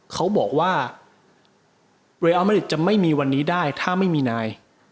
เขาบอกว่าเรียอัลมริดจะไม่มีวันนี้ได้ถ้าไม่มีนาย